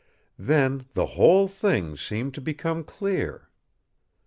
Then the whole thing seemed to become clear.